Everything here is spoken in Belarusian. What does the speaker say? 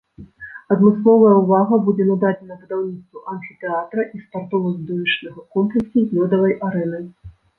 Адмысловая ўвага будзе нададзена будаўніцтву амфітэатра і спартова-відовішчнага комплексу з лёдавай арэнай.